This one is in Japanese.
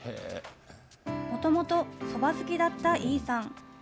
もともとそば好きだった井さん。